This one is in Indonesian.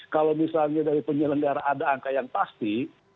kalau misalnya dari penyelenggara ada angka yang pasti